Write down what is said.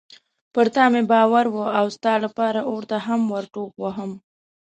پر تا مې باور و او ستا لپاره اور ته هم ورټوپ وهم.